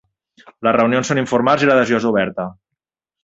Les reunions són informals i l'adhesió és oberta.